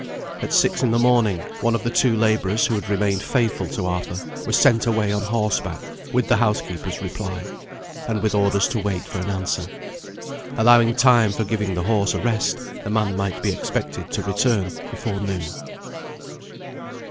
At six in the morning, one of the two labourers who had remained faithful to Arthur was sent away on horseback with the housekeeper's reply, and with orders to wait for an answer. Allowing time for giving the horse a rest, the man might be expected to return before noon.